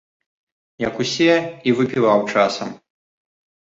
Як усе, і выпіваў часам.